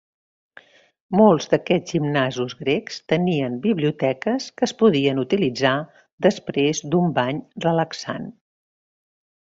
Molts d'aquests gimnasos grecs tenien biblioteques que es podien utilitzar després d'un bany relaxant.